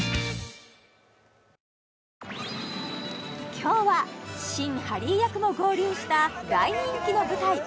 今日は新ハリー役も合流した大人気の舞台